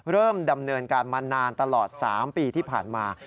เริ่มดำเนินการมานานตลอด๓ปีที่ผ่านมา